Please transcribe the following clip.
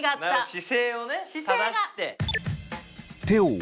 姿勢をね正して。